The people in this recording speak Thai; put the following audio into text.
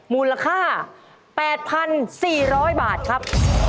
มูลค่า๘๔๐๐บาทครับ